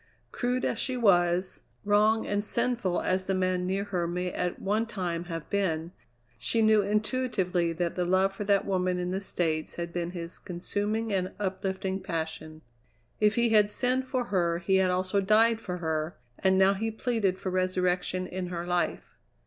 Crude as she was, wrong and sinful as the man near her may at one time have been, she knew intuitively that the love for that woman in the States had been his consuming and uplifting passion. If he had sinned for her, he had also died for her, and now he pleaded for resurrection in her life.